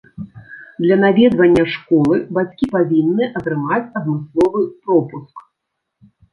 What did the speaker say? Для наведвання школы бацькі павінны атрымаць адмысловы пропуск.